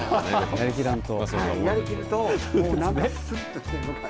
やりきらんと。